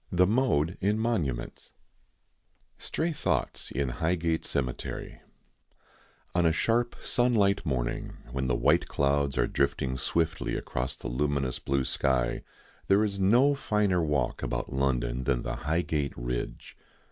THE MODE IN MONUMENTS STRAY THOUGHTS IN HIGHGATE CEMETERY On a sharp, sunlight morning, when the white clouds are drifting swiftly across the luminous blue sky, there is no finer walk about London than the Highgate ridge.